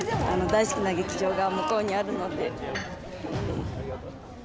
大好きな劇場が向こうにあるので。